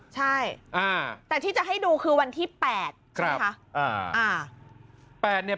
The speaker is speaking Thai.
ใช่แต่ที่จะให้ดูคือวันที่๘ใช่ไหมคะ